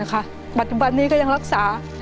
เดือนในวันนี้ยังรักษา